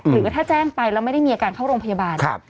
หรือว่าถ้าแจ้งไปแล้วไม่ได้มีอาการเข้าโรงพยาบาล